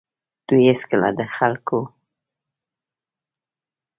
دوی هېڅکله د خلکو د آزادۍ لپاره نه دي ولاړ.